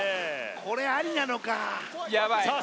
これありなのかさあ